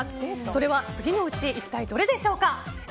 それは次のうち一体どれでしょうか。